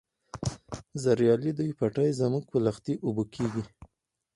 زریالي دي پټی زموږ په لښتي اوبه کیږي.